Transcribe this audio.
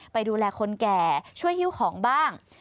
ไปดูแลคนแก่ช่วยฮิ้วของบ้าง